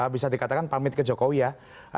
bisa dikatakan pamit ke jokowi ya